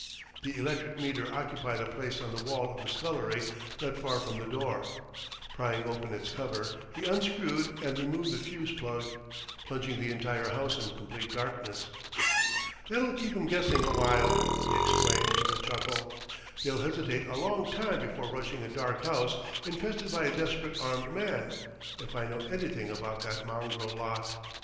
The electric meter occupied a place on the wall of the scullery not far from the door. Prying open its cover, he unscrewed and removed the fuse plug, plunging the entire house in complete darkness. "That'll keep 'em guessing a while!" he explained with a chuckle. "They'll hesitate a long time before rushing a dark house infested by a desperate armed man if I know anything about that mongrel lot!...